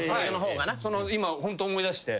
今ホント思い出して。